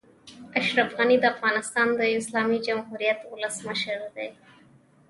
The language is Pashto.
اشرف غني د افغانستان د اسلامي جمهوريت اولسمشر دئ.